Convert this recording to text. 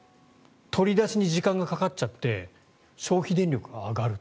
取り出しに時間がかかっちゃって消費電力が上がる。